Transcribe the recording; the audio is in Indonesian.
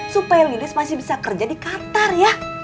supaya lilis masih bisa kerja di qatar ya